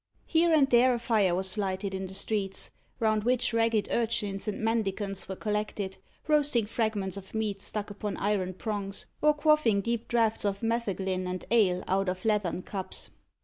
Here and there, a fire was lighted in the streets, round which ragged urchins and mendicants were collected, roasting fragments of meat stuck upon iron prongs, or quaffing deep draughts of metheglin and ale out of leathern cups.